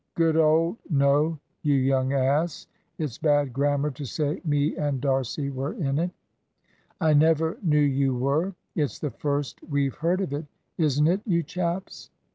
Good old " "No, you young ass; it's bad grammar to say me and D'Arcy were in it." "I never knew you were. It's the first we've heard of it; isn't it, you chaps?"